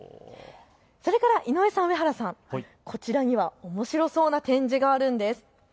それから井上さん、上原さん、こちらにはおもしろそうな展示があるんです。